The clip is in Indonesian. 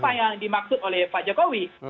apa yang dimaksud oleh pak jokowi